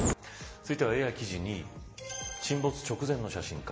続いてはＡＩ記事２位沈没直前の写真か。